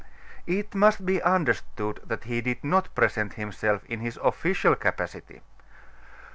It must be understood that he did not present himself in his official capacity.